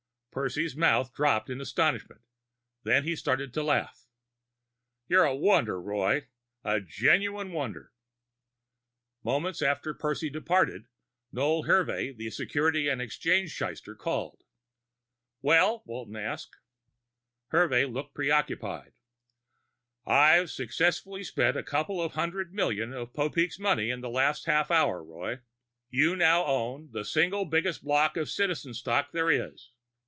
Percy's mouth dropped in astonishment; then he started to laugh. "You're a wonder, Roy. A genuine wonder." Moments after Percy departed, Noel Hervey, the security and exchange slyster, called. "Well?" Walton asked. Hervey looked preoccupied. "I've successfully spent a couple of hundred million of Popeek's money in the last half hour, Roy. You now own the single biggest block of Citizen stock there is."